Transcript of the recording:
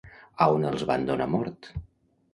A on els van donar mort?